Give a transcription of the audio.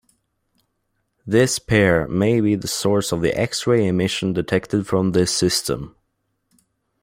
This pair may be the source of the X-ray emission detected from this system.